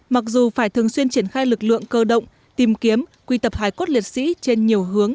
mặc dù phải thường xuyên triển khai lực lượng cơ động tìm kiếm quy tập hải cốt liệt sĩ trên nhiều hướng